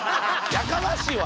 やかましいわ！